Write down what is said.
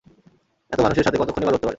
এত মানুষের সাথে কতক্ষণই বা লড়তে পারে।